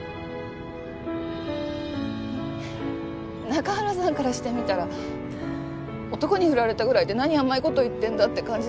中原さんからしてみたら男に振られたぐらいで何甘いこと言ってんだって感じでしょうけど。